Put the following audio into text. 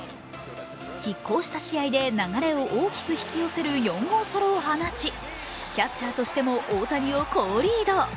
きっ抗した試合で流れを大きく引き寄せる４号ソロを放ちキャッチャーとしても大谷を好リード。